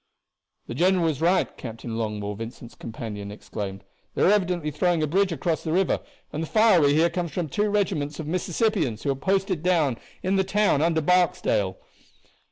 "The general was right," Captain Longmore, Vincent's companion, exclaimed. "They are evidently throwing a bridge across the river, and the fire we hear comes from two regiments of Mississippians who are posted down in the town under Barksdale."